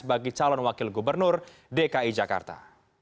bagi calon wakil gubernur dki jakarta